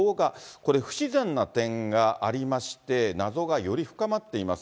これ、不自然な点がありまして、謎がより深まっています。